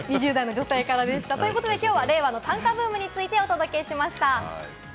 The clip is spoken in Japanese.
きょうは令和の短歌ブームについてお届けしました。